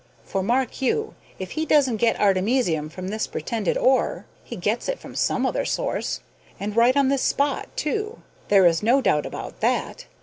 For, mark you, if he doesn't get artemisium from this pretended ore, he gets it from some other source, and right on this spot, too. There is no doubt about that.